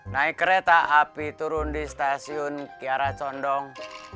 naik kereta api turun di stasiun kiara condong